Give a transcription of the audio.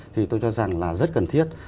thì tôi cho rằng là rất cần thiết